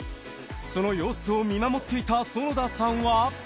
その様子を見守っていた園田さんは。